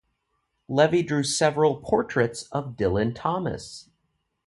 Levy drew several portraits of Dylan Thomas.